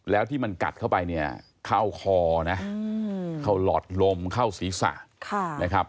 แล้วที่มันกัดเข้าไปเข้าคอเขาหลอดลมเข้าศีรษะ